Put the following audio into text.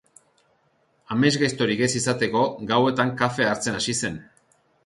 Amesgaiztorik ez izateko gauetan kafea hartzen hasi zen.